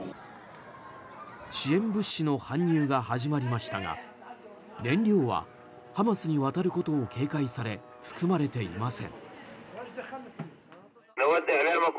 支援物資の搬入が始まりましたが燃料はハマスに渡ることを警戒され含まれています。